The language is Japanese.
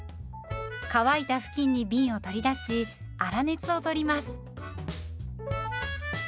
乾いた布巾にびんを取り出し粗熱を取ります。